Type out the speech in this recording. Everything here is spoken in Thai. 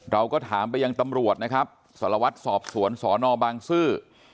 เราก็ถามไปยังตำรวจนะครับสารวัตรสอบสวนสอนอบางซื่อ